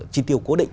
chi tiêu cố định